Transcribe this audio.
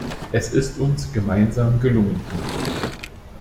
Es ist uns gemeinsam gelungen.